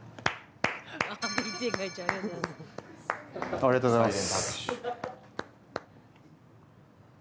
ありがとうございます。